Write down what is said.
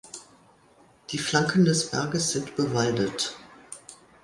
Die Flanken des Berges sind bewaldet.